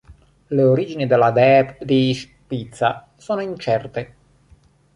Le origini della deep-dish pizza sono incerte.